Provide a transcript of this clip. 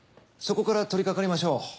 そこから取り掛かりましょう。